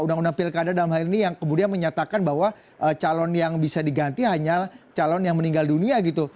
undang undang pilkada dalam hal ini yang kemudian menyatakan bahwa calon yang bisa diganti hanya calon yang meninggal dunia gitu